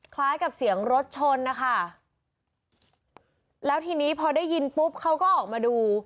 คล้ายกับเสียงรถชนนะคะแล้วทีนี้พอได้ยินปุ๊บเขาก็ออกมาดู